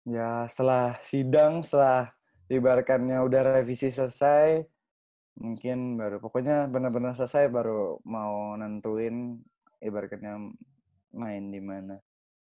ya setelah sidang setelah ibaratkannya udah revisi selesai mungkin baru pokoknya benar benar selesai baru mau nentuin ibaratnya main di mana